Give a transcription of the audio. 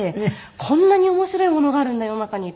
こんなに面白いものがあるんだ世の中にと思って。